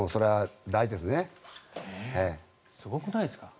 すごくないですか？